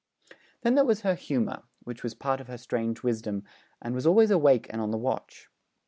Then there was her humour, which was part of her strange wisdom, and was always awake and on the watch.